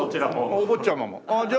あっお坊ちゃまも。